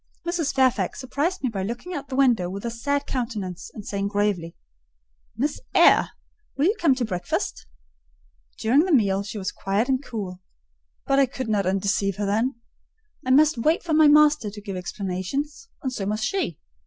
Mrs. Fairfax surprised me by looking out of the window with a sad countenance, and saying gravely—"Miss Eyre, will you come to breakfast?" During the meal she was quiet and cool: but I could not undeceive her then. I must wait for my master to give explanations; and so must she.